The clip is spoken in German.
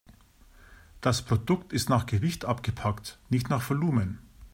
Das Produkt ist nach Gewicht abgepackt, nicht nach Volumen.